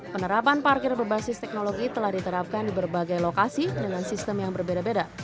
penerapan parkir berbasis teknologi telah diterapkan di berbagai lokasi dengan sistem yang berbeda beda